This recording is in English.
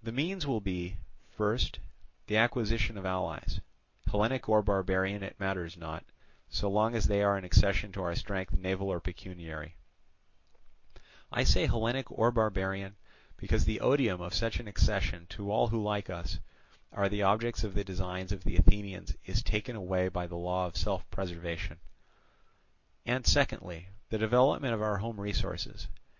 The means will be, first, the acquisition of allies, Hellenic or barbarian it matters not, so long as they are an accession to our strength naval or pecuniary—I say Hellenic or barbarian, because the odium of such an accession to all who like us are the objects of the designs of the Athenians is taken away by the law of self preservation—and secondly the development of our home resources.